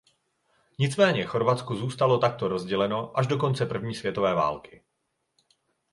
Nicméně Chorvatsko zůstalo takto rozděleno až do konce první světové války.